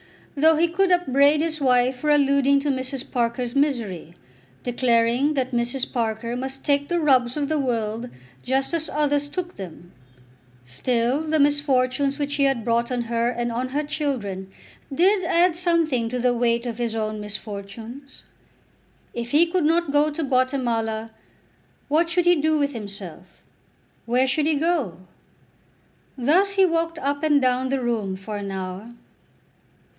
Though he could upbraid his wife for alluding to Mrs. Parker's misery, declaring that Mrs. Parker must take the rubs of the world just as others took them, still the misfortunes which he had brought on her and on her children did add something to the weight of his own misfortunes. If he could not go to Guatemala, what should he do with himself; where should he go? Thus he walked up and down the room for an hour.